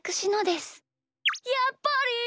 やっぱり！？